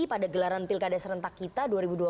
pada gelaran pilkada serentak kita dua ribu dua puluh